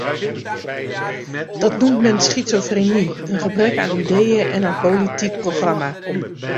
Dat noemt men schizofrenie, een gebrek aan ideeën en aan politiek programma.